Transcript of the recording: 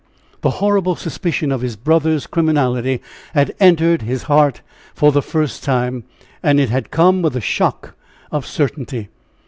The horrible suspicion of his brother's criminality had entered his heart for the first time, and it had come with the shock of certainty.